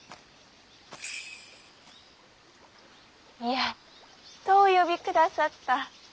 やっとお呼びくださった。